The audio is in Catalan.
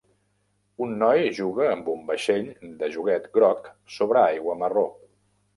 Un noi juga amb un vaixell de joguet groc sobre aigua marró.